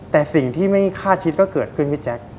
แต่สิ่งที่ไม่คาดคิดก็เกิดขึ้นพี่แจ๊ค